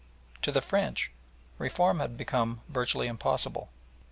To the French reform had become virtually impossible.